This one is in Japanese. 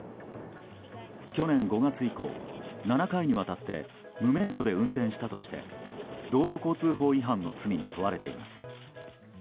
去年５月以降、７回にわたって無免許で運転したとして道路交通法違反の罪に問われています。